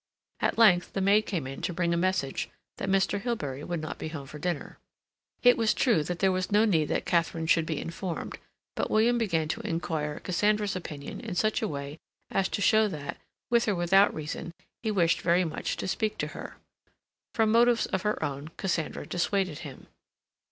At length the maid came in to bring a message that Mr. Hilbery would not be home for dinner. It was true that there was no need that Katharine should be informed, but William began to inquire Cassandra's opinion in such a way as to show that, with or without reason, he wished very much to speak to her. From motives of her own Cassandra dissuaded him.